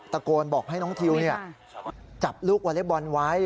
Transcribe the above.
ตะโกนบอกให้น้องทิวจับลูกวอเล็กบอลไว้